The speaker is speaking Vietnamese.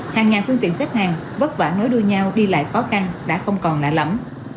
hàng ngàn phương tiện xếp hàng vất vả nối đuôi nhau đi lại khó khăn đã không còn lạ lẫm